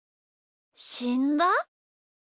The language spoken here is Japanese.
しんだ？